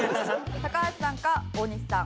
高橋さんか大西さん。